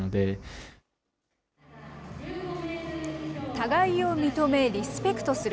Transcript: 互いを認め、リスペクトする。